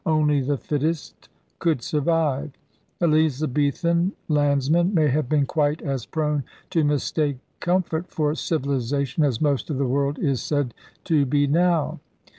Only the fittest could survive. Elizabethan lands men may have been quite as prone to mistake comfort for civilization as most of the world is said to be now.